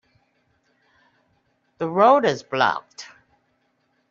The road is blocked.